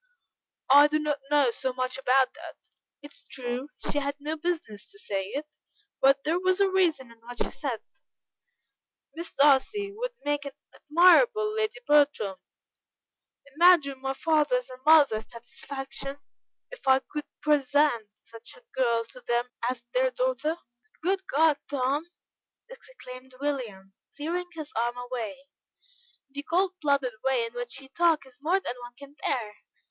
"I do not know so much about that: it is true, she had no business to say it, but there was a reason in what she said; Miss Darcy would make an admirable Lady Bertram. Imagine my father's and mother's satisfaction, if I could present such a girl to them as their daughter." "Good God, Tom!" exclaimed William, tearing his arm away, "the cold blooded way in which you talk is more than one can bear.